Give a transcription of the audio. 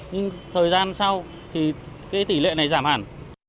nhưng thời gian sau thì cái tỷ lệ này giảm hẳn